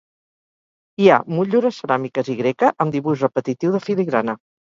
Hi ha motllures ceràmiques i greca amb dibuix repetitiu de filigrana.